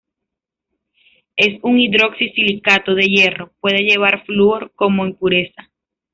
Es un hidroxi-silicato de hierro —puede llevar flúor como impureza—.